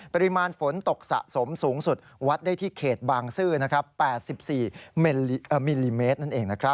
ปริมาณฝนตกสะสมสูงสุดวัดได้ที่เขตบางซื่อ๘๔มิลลิเมตรนั่นเอง